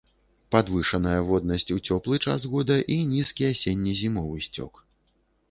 Падвышаная воднасць у цёплы час года і нізкі асенне-зімовы сцёк.